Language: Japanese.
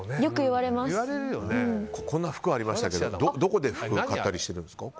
こんな服がありましたがどこで服を買ったりするんですか。